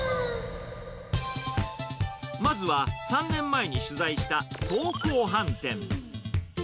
まずは、３年前に取材した東光飯店。